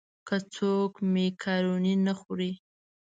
که څوک مېکاروني نه خوري.